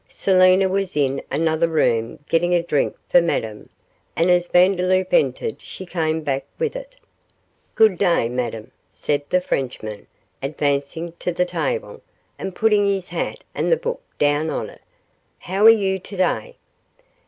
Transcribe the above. Selina was in another room getting a drink for Madame, and as Vandeloup entered she came back with it. 'Good day, Madame,' said the Frenchman, advancing to the table, and putting his hat and the book down on it. 'How are you today?